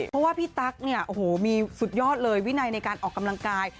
เพราะว่าพี่ตั๊กเนี่ยโอ้โหมีสุดยอดเลยวินัยในการออกกำลังกาย